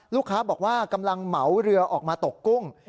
ลูกค้าบอกว่ากำลังเหมาเรือออกมาตกกุ้ง